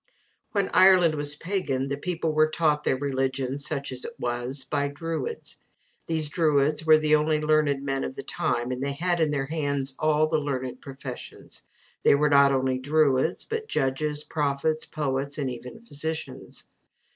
When Ireland was pagan the people were taught their religion, such as it was, by Druids. These druids were the only learned men of the time, and they had in their hands all the learned professions they were not only druids, but judges, prophets, poets, and even physicians.